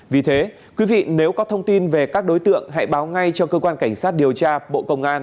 vì thế quý vị nếu có thông tin về các đối tượng hãy báo ngay cho cơ quan cảnh sát điều tra bộ công an